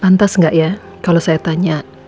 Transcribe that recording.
pantas nggak ya kalau saya tanya